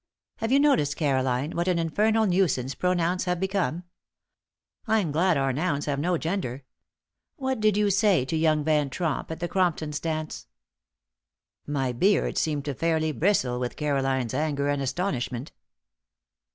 Have you noticed, Caroline, what an infernal nuisance pronouns have become? I'm glad our nouns have no gender. What did you say to young Van Tromp at the Cromptons' dance?" My beard seemed to fairly bristle with Caroline's anger and astonishment.